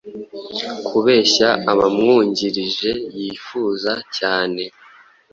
Kubeshya abamwungirije yifuza cyane